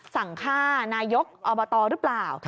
สั่งฆ่านายกอบตหรือเปล่า